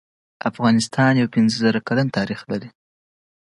موږ په درېیم منزل کې وو چې د ګاډي غږ راغی